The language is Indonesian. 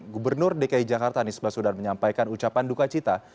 gubernur dki jakarta nisbah sudan menyampaikan ucapan dukacita